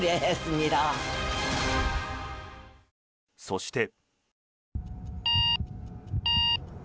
そして。